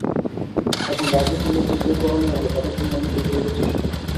এখন রাজনৈতিক নেতৃত্বের করণীয় হলো তঁাদের জন্য অনুকূল পরিবেশ সৃষ্টি করা।